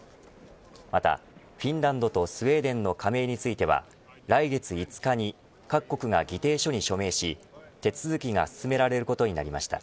またフィンランドとスウェーデンの加盟については来月５日に各国が議定書に署名し手続きが進められることになりました。